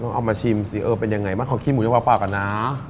ลองเอามาชิมสิเออเป็นยังไงมาขอกินหมูน้ำปลาปลาก่อนนะ